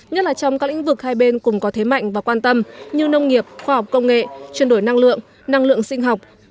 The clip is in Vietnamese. nhất là trong các lĩnh vực hai bên cùng có thế mạnh và quan tâm như nông nghiệp khoa học công nghệ chuyên đổi năng lượng năng lượng sinh học